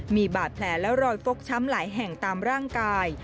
มีบาดแผลและรอยฟกช้ำหลายแห่งตามร่างกาย